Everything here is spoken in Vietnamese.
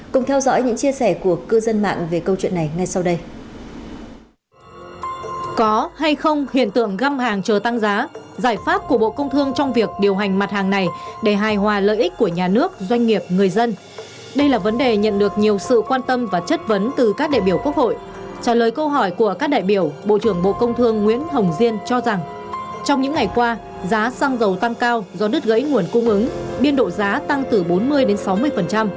cùng theo dõi những chia sẻ của cư dân mạng về câu chuyện này ngay sau đây